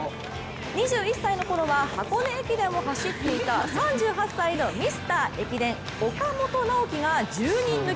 ２１歳のころは箱根駅伝を走っていた３８歳のミスター箱根駅伝岡本直己が１０人抜き。